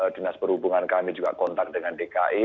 dinas perhubungan kami juga kontak dengan dki